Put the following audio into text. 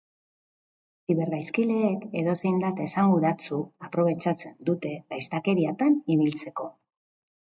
Zibergaizkileek edozein data esanguratsu aprobetxatzen dute gaiztakeriatan ibiltzeko.